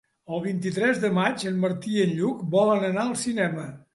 El vint-i-tres de maig en Martí i en Lluc volen anar al cinema.